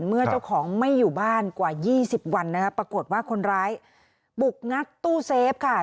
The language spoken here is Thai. เมื่อเจ้าของไม่อยู่บ้านกว่า๒๐วันนะคะปรากฏว่าคนร้ายบุกงัดตู้เซฟค่ะ